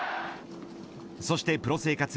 そしてプロ生活